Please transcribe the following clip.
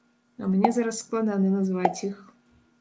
А мне зараз складана назваць іх.